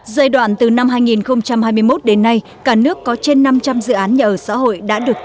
giai đoạn từ năm hai nghìn hai mươi một đến nay cả nước có trên năm trăm linh dự án nhà ở xã hội đã được tháo gỡ khó khăn vướng mắt